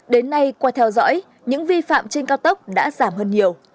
đến nay qua theo dõi những vi phạm trên cao tốc đã giảm hơn nhiều